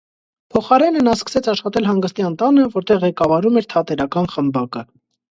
Փոխարենը նա սկսեց աշխատել հանգստյան տանը, որտեղ ղեկավարում էր թատերական խմբակը։